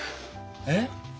えっ？